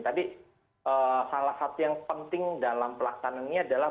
tadi salah satu yang penting dalam pelaksanaannya adalah